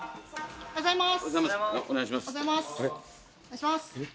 おはようございます。